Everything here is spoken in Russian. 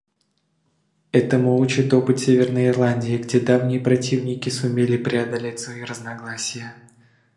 Этому учит опыт Северной Ирландии, где давние противники сумели преодолеть свои разногласия.